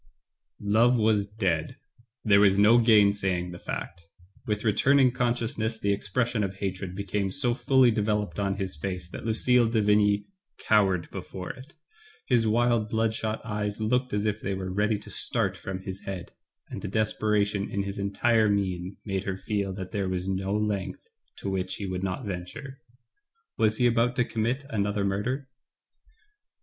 Love was dead. There was no gainsaying the fact. With returning consciousness the expres sion of hatred became so fully developed on his face that Lucille de Vigny cowered before it. His wild bloodshot eyes looked as if they were ready to start from his head, and the desperation in his entire mien made her feel that there was no length to which he would not venture. Was hs about to commit another murder?